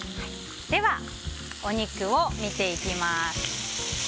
では、お肉を見ていきます。